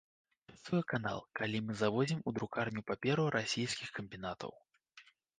Працуе канал, калі мы завозім у друкарню паперу расійскіх камбінатаў.